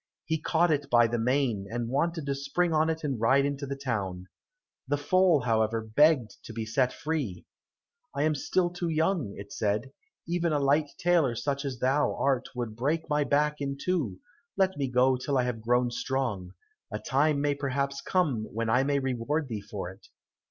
He caught it by the mane, and wanted to spring on it and ride into the town. The foal, however, begged to be set free. "I am still too young," it said, "even a light tailor such as thou art would break my back in two let me go till I have grown strong. A time may perhaps come when I may reward thee for it."